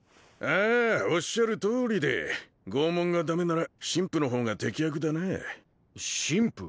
あおっしゃるとおりで拷問がダメなら神父の方が適役だな神父？